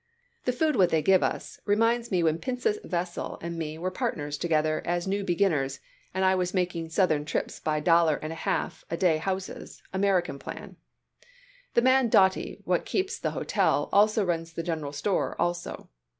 The food what they give us reminds me when Pincus Vesell & me was partners together as new beginners and I was making southern trips by dollar and a half a day houses American plan. The man Doty what keeps the hotel also runs the general store also.